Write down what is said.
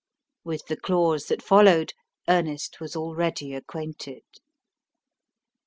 With the clause that followed Ernest was already acquainted.